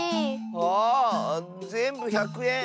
あぜんぶ１００えん。